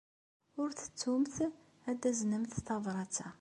Ur ttettumt ad taznemt tabṛat-a.